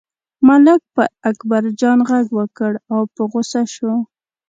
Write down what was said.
ملک پر اکبرجان غږ وکړ او په غوسه شو.